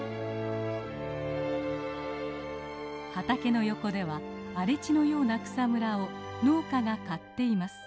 畑の横では荒れ地のような草むらを農家が刈っています。